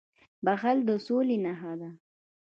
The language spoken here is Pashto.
• بښل د سولي نښه ده.